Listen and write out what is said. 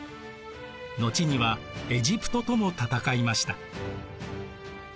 後にはエジプトとも戦いました。